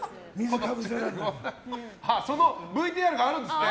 そのＶＴＲがあるんですね。